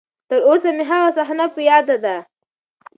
تر اوسه مې هغه صحنه ښه په ياد ده.